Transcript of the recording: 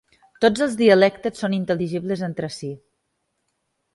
Tots els dialectes són intel·ligibles entre si.